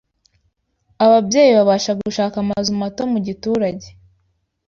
Ababyeyi babasha gushaka amazu mato mu giturage,